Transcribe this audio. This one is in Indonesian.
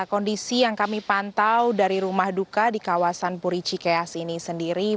kondisi yang kami pantau dari rumah duka di kawasan puricikeas ini sendiri